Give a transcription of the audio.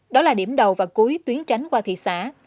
đó là điểm đầu và cuối tuyến tránh qua thị xã